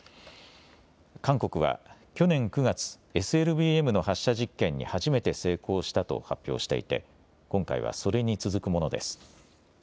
韓国は去年９月、ＳＬＢＭの発射実験に初めて成功したと発表していて今回はそれに続くものです。